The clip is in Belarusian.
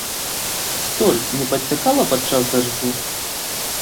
Столь не падцякала падчас дажджу?